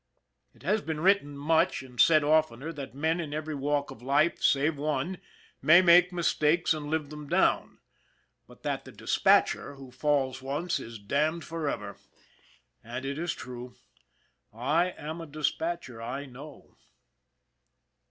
It has been written much, and said oftener, that men in every walk of life, save one, may make mistakes and live them down, but that the dispatcher who falls once 43 44 ON THE IRON AT BIG CLOUD is damned forever. And it is true. I am a dispatcher. I know.